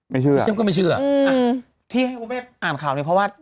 ไม่เชื่อไม่เชื่อก็ไม่เชื่ออืมที่ให้คุณแม่อ่านข่าวนี้เพราะว่า